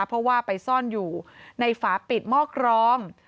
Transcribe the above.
เพราะว่าไปซ่อนอยู่ในฝาปิดหม้อกรอง